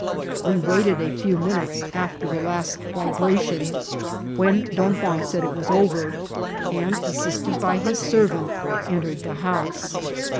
We waited a few minutes after the last vibration, when Dor Juan said it was over, and, assisted by his servant, ear tered the house.